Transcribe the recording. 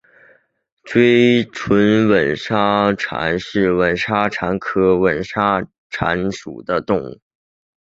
锥唇吻沙蚕为吻沙蚕科吻沙蚕属的动物。